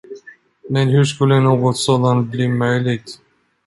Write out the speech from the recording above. Men hur skulle något sådant bli möjligt?